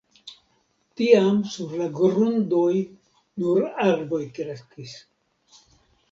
Tiam sur la grundoj nur arboj kreskis.